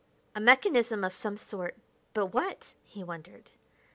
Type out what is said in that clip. A mechanism of some sort but what? he wondered.